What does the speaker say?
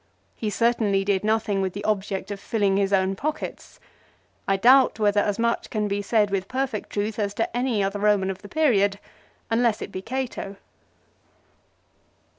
He certainly did nothing with the object of filling his own pockets. I doubt whether as much can be said with perfect truth as to any other Roman of the period unless it be Cato.